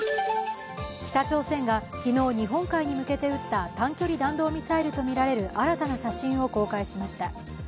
北朝鮮が昨日日本海に向けて撃った短距離弾道ミサイルとみられる新たな写真を公開しました。